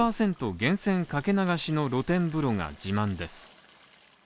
源泉かけ流しの露天風呂が自慢です。